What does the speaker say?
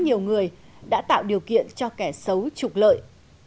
nhiều người đã tạo điều kiện cho kẻ xấu trục lợi